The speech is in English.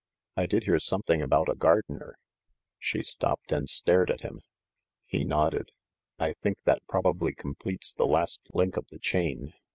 "I did hear something about a gardener —" She stopped and stared at him. He nodded. "I think that probably completes the last link of the chain.